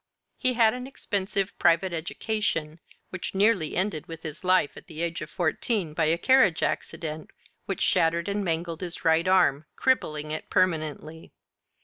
He had an expensive private education, which was nearly ended with his life at the age of fourteen by a carriage accident which shattered and mangled his right arm, crippling it permanently.